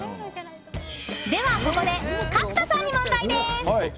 では、ここで角田さんに問題です。